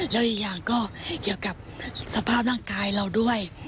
แล้วอีกอย่างก็เกี่ยวกับสภาพร่างกายเราด้วย